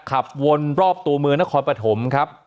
ขับวนรอบตัวเมืองนครปฐมครับ